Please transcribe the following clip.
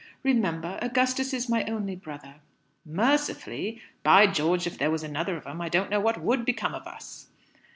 Remember, Augustus is my only brother." "Mercifully! By George, if there was another of 'em I don't know what would become of us."